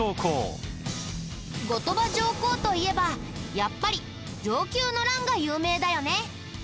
後鳥羽上皇といえばやっぱり承久の乱が有名だよね。